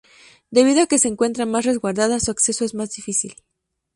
Debido a que se encuentra más resguardada, su acceso es más difícil.